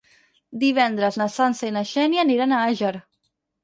Divendres na Sança i na Xènia aniran a Àger.